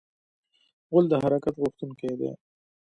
غول د حرکت غوښتونکی دی.